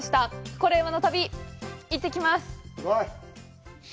「コレうまの旅」、行ってきます！